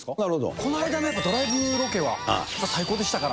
この間のドライブロケは、最高でしたから。